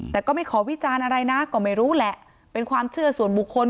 แต่ก็ไม่ขอวิจารณ์อะไรนะก็ไม่รู้แหละเป็นความเชื่อส่วนบุคคล